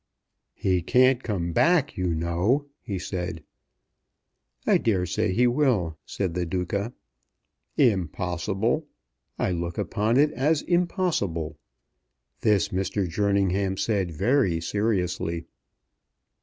"He can't come back, you know," he said. "I dare say he will," said the Duca. "Impossible! I look upon it as impossible!" This Mr. Jerningham said very seriously.